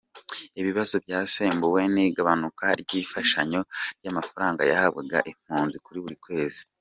Ibibazo byasembuwe n’igabanuka ry’imfashanyo y’amafaranga yahabwaga impunzi buri kwezi.